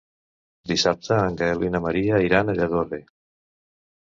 Dissabte en Gaël i na Maria iran a Lladorre.